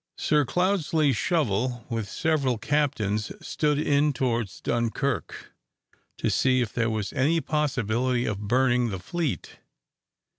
Sir Cloudesley Shovel, with several captains, stood in towards Dunkirk, to see if there was any possibility of burning the fleet.